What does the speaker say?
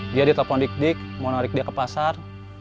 dia ditelepon dik dik mau narik dia ke pasar